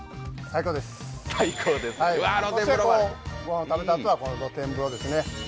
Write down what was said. そして御飯を食べたあとは露天風呂ですね。